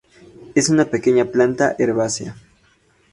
Es una pequeña planta herbácea.